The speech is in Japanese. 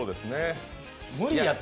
無理やて。